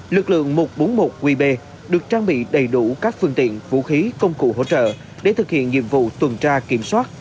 lực lượng một trăm bốn mươi một qb được trang bị đầy đủ các phương tiện vũ khí công cụ hỗ trợ để thực hiện nhiệm vụ tuần tra kiểm soát